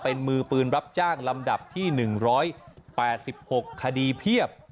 เป็นมือปืนรับจ้างลำดับที่๑๘๖คดีเพียบ